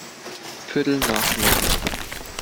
Viertel nach neun.